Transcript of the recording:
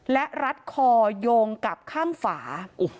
และรัดคอยงกับข้างฝา